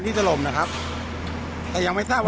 อันที่สุดท้ายก็คือภาษาอันที่สุดท้าย